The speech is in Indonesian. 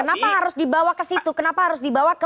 kenapa harus dibawa ke situ kenapa harus dibawa ke